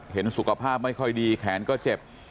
เห็นสุขภาพไม่ค่อยดีแขนก็เจ็บ